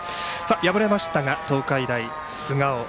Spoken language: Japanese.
敗れましたが東海大菅生。